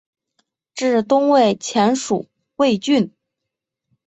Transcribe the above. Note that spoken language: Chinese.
至东魏前属魏郡。